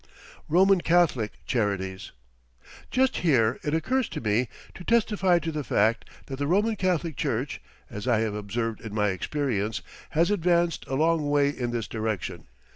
ROMAN CATHOLIC CHARITIES Just here it occurs to me to testify to the fact that the Roman Catholic Church, as I have observed in my experience, has advanced a long way in this direction.